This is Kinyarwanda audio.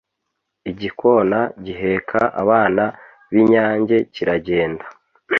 igikona giheka abana b’inyange kiragenda.